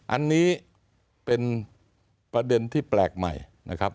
อันนี้เป็นประเด็นที่แปลกใหม่นะครับ